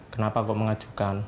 kenapa kok mengajukan